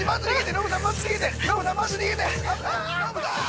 ノブさんまず逃げて！